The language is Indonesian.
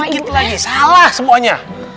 sedikit lagi salah semuanya